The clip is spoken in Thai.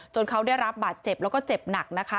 เขาได้รับบาดเจ็บแล้วก็เจ็บหนักนะคะ